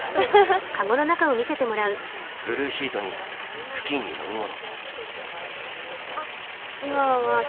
ブルーシートに布巾に飲み物。